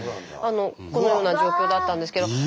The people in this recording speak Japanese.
このような状況だったんですけど。